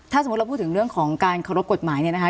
ถ้าสมมุติเราพูดถึงเรื่องของการเคารพกฎหมายเนี่ยนะคะ